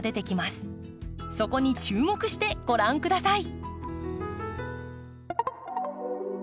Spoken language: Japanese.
そこに注目してご覧下さい。